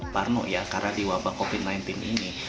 parno ya karena di wabah covid sembilan belas ini